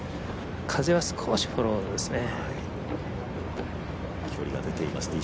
風は少しフォローですね。